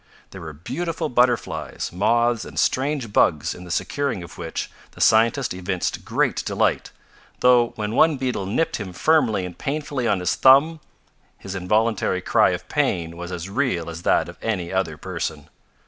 There were beautiful butterflies, moths and strange bugs in the securing of which the scientist evinced great delight, though when one beetle nipped him firmly and painfully on his thumb his involuntary cry of pain was as real as that of any other person.